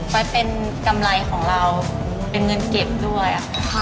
ไว้เป็นกำไรของเราเป็นเงินเก็บด้วย